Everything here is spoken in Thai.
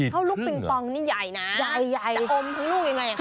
เท่าลูกปิงปองนี่ใหญ่นะจะอมทั้งลูกยังไงอย่างคุณ